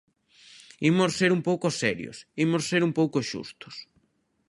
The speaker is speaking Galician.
Imos ser un pouco serios, imos ser un pouco xustos.